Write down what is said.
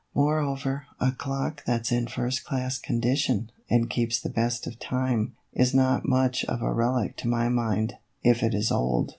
Moreover, a clock that 's in first class condition, and keeps the best of time, is not much of a relic to my mind, if it is old."